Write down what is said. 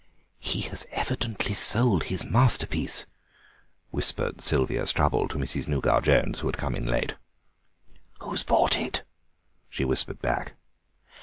"He has evidently sold his masterpiece," whispered Sylvia Strubble to Mrs. Nougat Jones, who had come in late. "Who has bought it?" she whispered back.